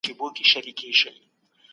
ډیپلوماسي باید د حقایقو پر بنسټ ولاړه وي.